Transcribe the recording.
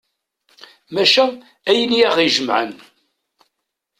Maca ayen i aɣ-ijemɛen.